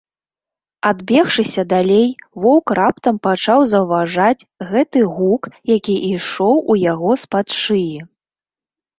Адбегшыся далей, воўк раптам пачаў заўважаць гэты гук, які ішоў у яго з-пад шыі.